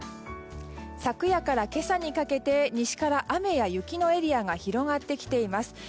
昨夜から今朝にかけて西から雨や雪のエリアが広がってきています。